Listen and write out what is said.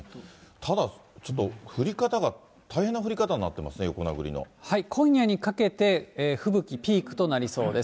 ただちょっと、降り方が大変な降今夜にかけて、吹雪、ピークとなりそうです。